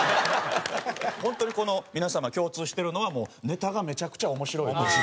本当にこの皆様共通してるのはもうネタがめちゃくちゃ面白いという。